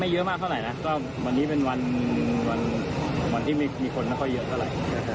เยอะมากเท่าไหร่นะก็วันนี้เป็นวันที่ไม่มีคนไม่ค่อยเยอะเท่าไหร่